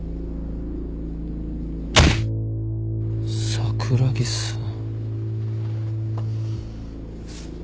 桜木さん。